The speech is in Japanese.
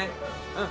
うん！